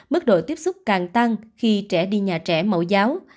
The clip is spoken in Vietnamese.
mức độ tiếp xúc càng tăng khi trẻ đi nhà trẻ mẫu giáo